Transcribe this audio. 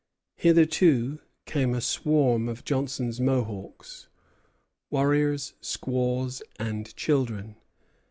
Hither, too, came a swarm of Johnson's Mohawks, warriors, squaws, and children.